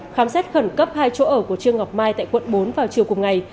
khám xét khẩn cấp hai chỗ ở của trương ngọc mai tại quận bốn vào chiều cùng ngày